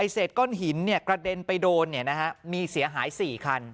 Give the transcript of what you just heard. เศษก้อนหินกระเด็นไปโดนมีเสียหาย๔คัน